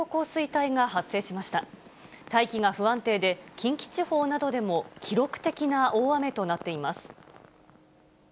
大気が不安定で、近畿地方などでも記録的な大雨となっています。